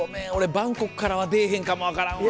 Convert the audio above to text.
バンコクからは出ぇへんかも分からんわ。